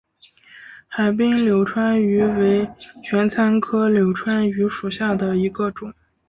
海滨柳穿鱼为玄参科柳穿鱼属下的一个种。